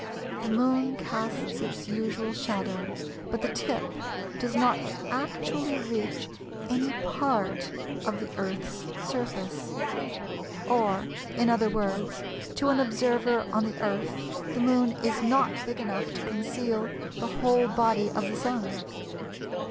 The Moon casts its usual shadow, but the tip does not actually reach any part of the Earth's surface. Or, in other words, to an observer on the Earth the Moon is not big enough to conceal the whole body of the Sun.